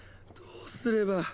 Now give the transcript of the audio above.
どうすれば。